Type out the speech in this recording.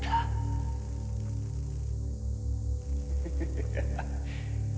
フフフフッ。